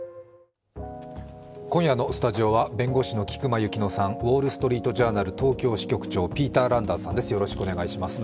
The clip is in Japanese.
今夜のスタジオは、弁護士の菊間千乃さん、ウォールストリート・ジャーナル東京支局長、ピーター・ランダースさんです。